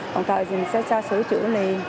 còn trời thì mình sẽ xử trữ liền